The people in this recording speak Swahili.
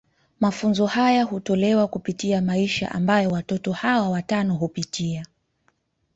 Mafunzo haya hutolewa kupitia maisha ambayo watoto hawa watano hupitia.